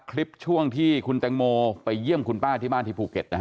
คลิปช่วงที่คุณแตงโมไปเยี่ยมคุณป้าที่บ้านที่ภูเก็ตนะฮะ